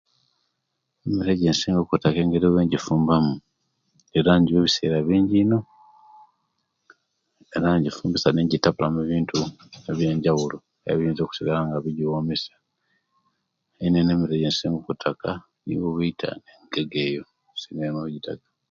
Engeri ejensinga okutaka emere engeri owejifumba mu era injiwa ebisera binji ino era ijifumbisa ninjitabula mu ebintu ebyenjaulo ebiyinza okusigalla nga bigyiwomesya ana emere eineino ejensinga okutaka niyo obwita, engege eyo insinga ino ojikataka